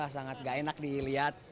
sangat gak enak dilihat